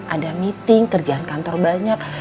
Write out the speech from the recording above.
ada meeting kerjaan kantor banyak